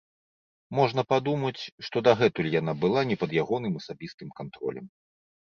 Можна падумаць, што дагэтуль яна была не пад ягоным асабістым кантролем.